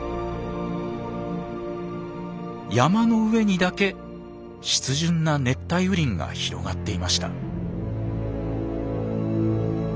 山の上にだけ湿潤な熱帯雨林が広がっていました。